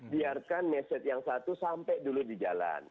biarkan message yang satu sampai dulu di jalan